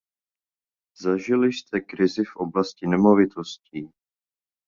Zažili jste krizi v oblasti nemovitostí.